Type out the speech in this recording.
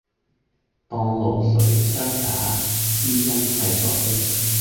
當路誰相假，知音世所稀。